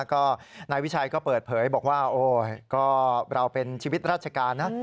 ก็นายวิชัยก็เปิดเผยบอกว่าโอ้ยก็เราเป็นชีวิตราชการนะ